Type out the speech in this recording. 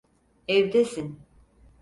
Evdesin.